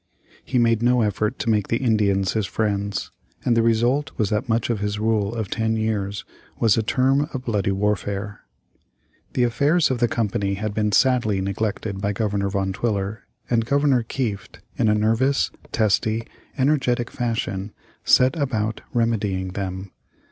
He made no effort to make the Indians his friends, and the result was that much of his rule of ten years was a term of bloody warfare. The affairs of the Company had been sadly neglected by Governor Van Twiller, and Governor Kieft, in a nervous, testy, energetic fashion set about remedying them.